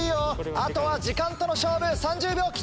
あとは時間との勝負３０秒切った！